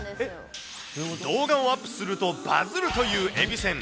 動画をアップすると、バズるというえびせん。